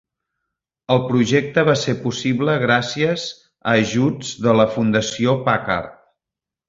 El projecte va ser possible gràcies a ajuts de la Fundació Packard.